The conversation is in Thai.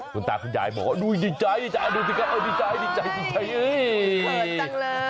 คุณตาคุณยายบอกดูดีใจดูดีใจดูดีใจดูดีใจดูดีใจเขินจังเลย